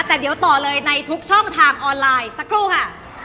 แต่เดี๋ยวต่อเลยในทุกช่องทางออนไลน์สักครู่ค่ะ